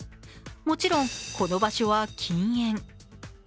もちろんこの場所は禁煙。